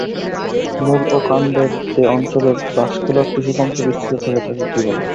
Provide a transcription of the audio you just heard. মূল ও কাণ্ডের যে অঞ্চলে ভাস্কুলার টিস্যুতন্ত্র বিস্তৃত থাকে তাকে কী বলে?